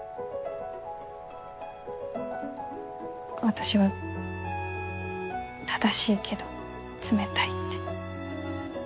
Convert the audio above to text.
私は正しいけど冷たいって。